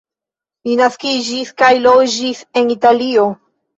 Li naskiĝis kaj loĝis en Italio.